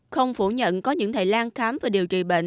không phủ nhận có những thầy lang khám và điều trị bệnh